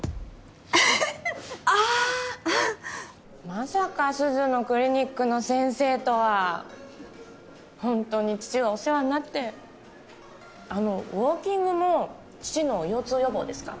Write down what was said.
ああまさか鈴のクリニックの先生とは本当に父がお世話になってあのウォーキングも父の腰痛予防ですか？